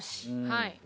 はい。